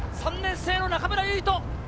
３年生の中村唯翔。